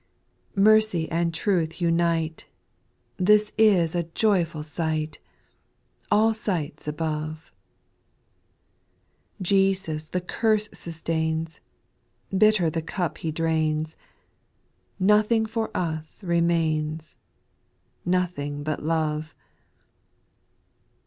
2. Mercy and truth unite ; This is a joyful sight ! All sights above. Jesus the curse sustains ; Bitter the cup He drains ; Nothing for us remains, Nothing but love.